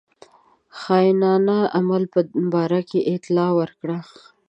خاینانه عمل په باره کې اطلاع ورکړه.